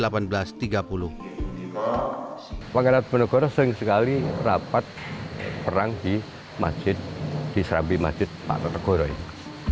pangeran patok negoro sering sekali rapat perang di serambi masjid patok negoro ini